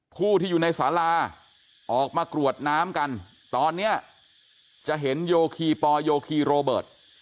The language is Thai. ผู้ที่อยู่ในสาราออกมากรวดน้ำกันตอนนี้จะเห็นโยคีปอลโยคีโรเบิร์ต